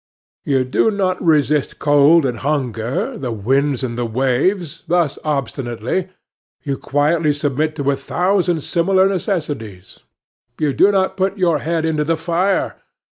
You do not resist cold and hunger, the winds and the waves, thus obstinately; you quietly submit to a thousand similar necessities. You do not put your head into the fire.